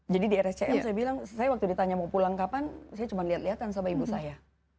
jadi di rsjm saya bilang saya waktu ditanya mau pulang kapan saya cuma lihat lihatkan sama ibu saya